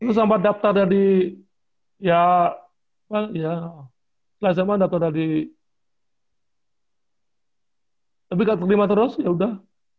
lulus sma dapet dari ya apa ya sma dapet dari tapi gak terima terus ya udah